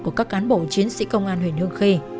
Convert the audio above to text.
của các cán bộ chiến sĩ công an huyền hương khi